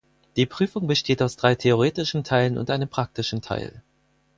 Die Prüfung besteht aus drei theoretischen Teilen und einem praktischen Teil.